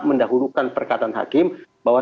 mendahulukan perkataan hakim bahwa